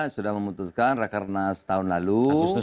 sudah memutuskan karena setahun lalu